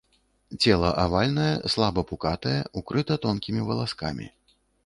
Цела авальнае, слаба пукатае, укрыта тонкімі валаскамі.